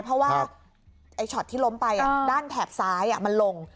เพราะว่าไอ้ช็อตที่ล้มไปด้านแถบซ้ายมันลง